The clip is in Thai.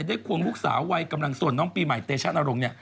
ได้พวงลูกสาววัยกำลังส่วนน้องปี่หมายเตชะนารง